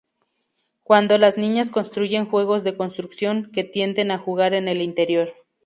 Cuando las niñas construyen juegos de construcción, que tienden a jugar en el interior".